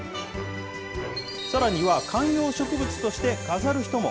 さらには観葉植物として飾る人も。